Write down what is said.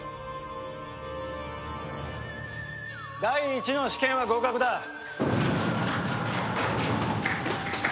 第一の試験は合格だ。